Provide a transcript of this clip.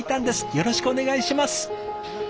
よろしくお願いします。